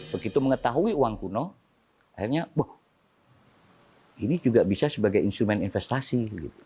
begitu mengetahui uang kuno akhirnya ini juga bisa sebagai instrumen investasi